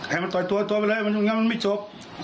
ให้มันต่อยตัวตัวไปเลยมันไม่จบ